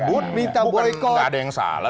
bukan tidak ada yang salah